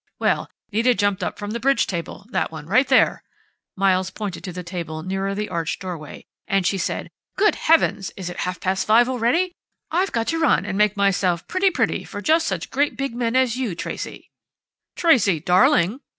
"Well, Nita jumped up from the bridge table that one right there," Miles pointed to the table nearer the arched doorway, "and she said, 'Good heavens! Is it half past five already? I've got to run and make myself 'pretty pretty' for just such great big men as you, Tracey " "'Tracey, darling'!"